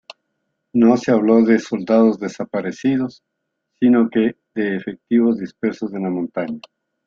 No se habló de soldados desaparecidos, sino que de efectivos dispersos en la montaña.